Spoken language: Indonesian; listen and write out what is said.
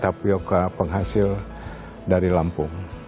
tapioca penghasil dari lampung